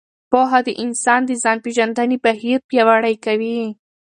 پوهه د انسان د ځان پېژندنې بهیر پیاوړی کوي.